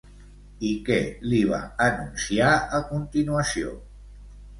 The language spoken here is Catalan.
I què li va anunciar a continuació?